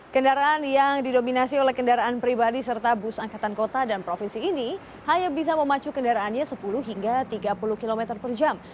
kendaraan yang didominasi oleh kendaraan pribadi serta bus angkatan kota dan provinsi ini hanya bisa memacu kendaraannya sepuluh hingga tiga puluh km per jam